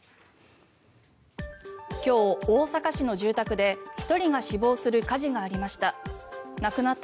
今日、大阪市の住宅で１人が死亡する火事がありました。